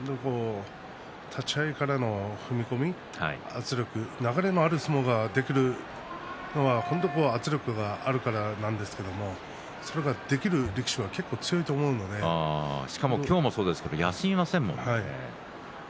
立ち合いからの踏み込み、圧力流れのある相撲ができるのは本当に圧力があるからなんですけれどそれができる力士はしかも今日もそうですけれども休みませんものね。